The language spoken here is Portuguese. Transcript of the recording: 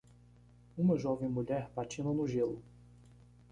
Uma jovem mulher patina no gelo.